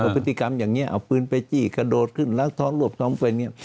พฤติกรรมอย่างนี้เอาปืนไปจี้กระโดดขึ้นรักทองรวบซ้ำไป